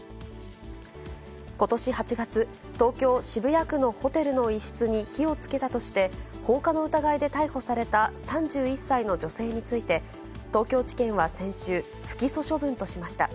ことし８月、東京・渋谷区のホテルの一室に火をつけたとして、放火の疑いで逮捕された３１歳の女性について、東京地検は先週、不起訴処分としました。